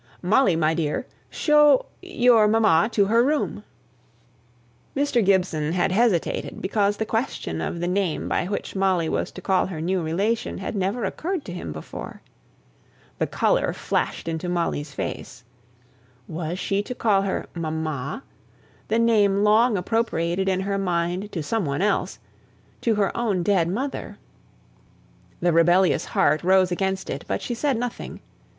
"Molly, my dear, show your mamma to her room!" Mr. Gibson had hesitated, because the question of the name by which Molly was to call her new relation had never occurred to him before. The colour flashed into Molly's face. Was she to call her "mamma?" the name long appropriated in her mind to some one else to her own dead mother. The rebellious heart rose against it, but she said nothing.